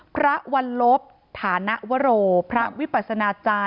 พระวันลบฐานวโรพระวิปัสนาจารย์